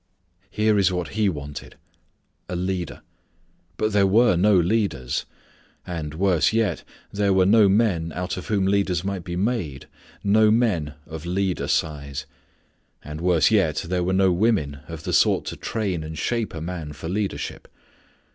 Here is what He wanted a leader! But there were no leaders. And, worse yet, there were no men out of whom leaders might be made, no men of leader size. And worse yet there were no women of the sort to train and shape a man for leadership.